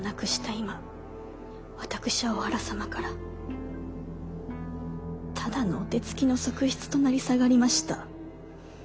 今私はお腹様からただのお手付きの側室と成り下がりました。